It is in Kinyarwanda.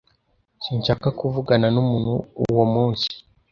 Sinshaka kuvugana numuntu uwo munsi